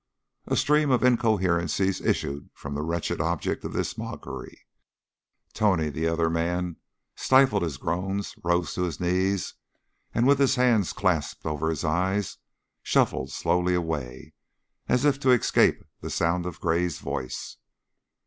A stream of incoherencies issued from the wretched object of this mockery. Tony, the other man, stifled his groans, rose to his knees, and, with his hands clasped over his eyes, shuffled slowly away, as if to escape the sound of Gray's voice.